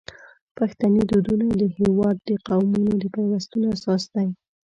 پښتني دودونه د هیواد د قومونو د پیوستون اساس دي.